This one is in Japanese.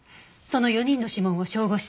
その４人の指紋を照合したい。